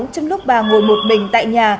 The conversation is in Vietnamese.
trong lúc bà ngồi một mình tại nhà